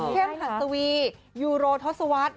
เข้มภัศวีย์ยูโรทศวาส